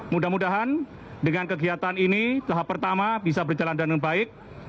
mudah mudahan dengan kegiatan ini tahap pertama bisa berjalan dengan baik